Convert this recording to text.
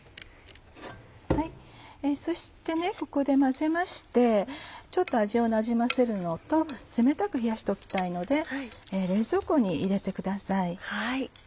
そしてここで混ぜましてちょっと味をなじませるのと冷たく冷やしておきたいので冷蔵庫に入れてください。